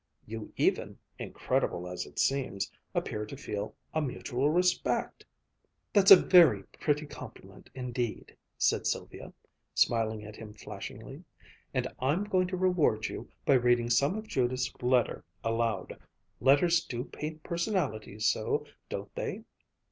You even, incredible as it seems, appear to feel a mutual respect!" "That's a very pretty compliment indeed," said Sylvia, smiling at him flashingly, "and I'm going to reward you by reading some of Judith's letter aloud. Letters do paint personalities so, don't they?"